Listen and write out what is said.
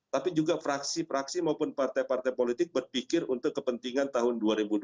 tapi juga fraksi fraksi maupun partai partai politik berpikir untuk kepentingan tahun dua ribu dua puluh